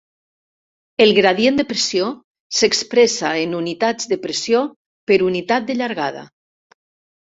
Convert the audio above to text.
El gradient de pressió s'expressa en unitats de pressió per unitat de llargada.